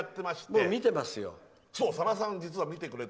僕も見てますよ。